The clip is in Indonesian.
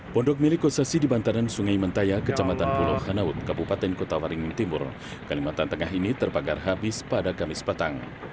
pondok milik kosasi di bantaran sungai mentaya ke jambatan pulau hanaut kabupaten kota waringin timur kalimantan tengah ini terpanggar habis pada gamis petang